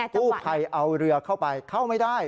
กู้ภัยเอาเรือเข้าไปเข้าไม่ได้